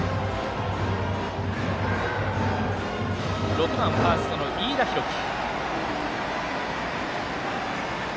６番ファーストの飯田大貴。